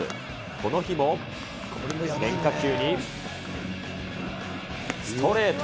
この日も変化球に、ストレート。